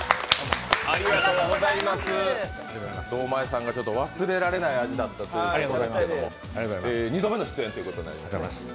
堂前さんが忘れられない味だったということですが２度目の出演ということになります